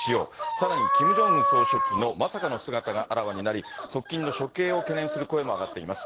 さらにキム・ジョンウン総書記のまさかの姿があらわになり、側近の処刑を懸念する声も上がっています。